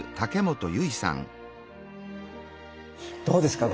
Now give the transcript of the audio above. どうですか？